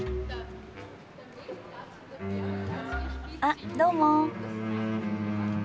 あっどうも。